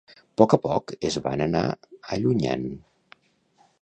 Poc a poc es van anar allunyant.